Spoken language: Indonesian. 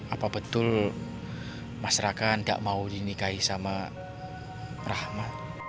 apa betul mas raka nggak mau dinikahi sama rahma